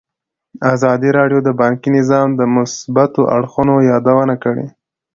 ازادي راډیو د بانکي نظام د مثبتو اړخونو یادونه کړې.